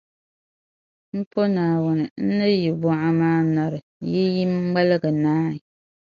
M po Naawuni, n-ni yi buɣa maa nari, yi yi ŋmalgi naai.